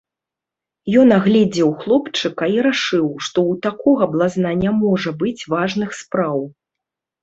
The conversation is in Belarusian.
Ён агледзеў хлопчыка і рашыў, што ў такога блазна не можа быць важных спраў.